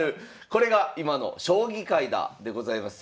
これが今の将棋界だ」でございます。